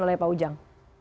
oleh pak ujang